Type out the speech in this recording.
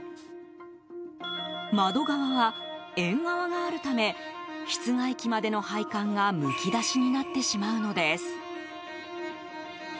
窓側は、縁側があるため室外機までの配管がむき出しになってしまうのです。